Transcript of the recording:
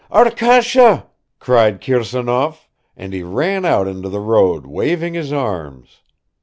Arkasha!" cried Kirsanov, and he ran out into the road, waving his arms